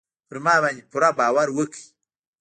پر ما باندې پوره باور وکړئ.